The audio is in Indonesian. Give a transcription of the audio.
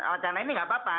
wacana ini nggak apa apa